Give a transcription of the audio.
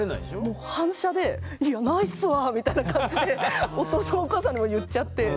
もう反射で「いやないっすわあ」みたいな感じでお父さんお母さんの前で言っちゃってもう目の前で。